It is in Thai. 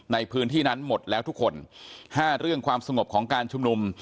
ในพื้นที่นั้นหมดแล้วทุกคนห้าเรื่องความสงบของการชุมนุม